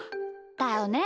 だよね。